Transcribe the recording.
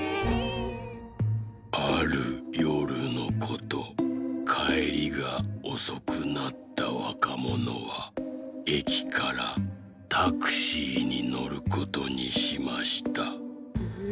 「あるよるのことかえりがおそくなったわかものはえきからタクシーにのることにしました。